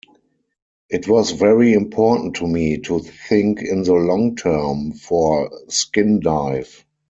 It was very important to me to think in the long-term for Skindive.